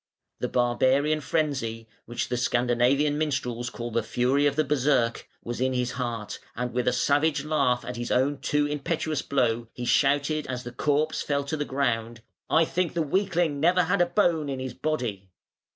The barbarian frenzy, which the Scandinavian minstrels call the "fury of the Berserk", was in his heart, and with a savage laugh at his own too impetuous blow, he shouted as the corpse fell to the ground: "I think the weakling had never a bone in his body".